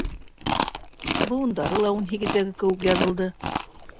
Быуындары ла ун һигеҙҙәге кеүек яҙылды.